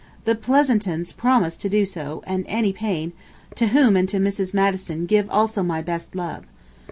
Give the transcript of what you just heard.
The Pleasantons promised to do so, and Annie Payne, to whom and to Mrs. Madison give also my best love.